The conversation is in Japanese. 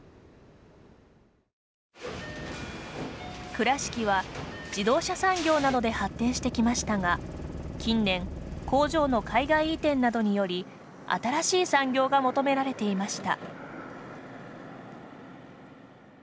倉敷は、自動車産業などで発展してきましたが近年、工場の海外移転などにより新しい産業が求められていました。